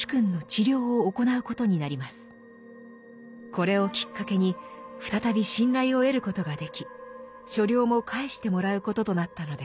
これをきっかけに再び信頼を得ることができ所領も返してもらうこととなったのです。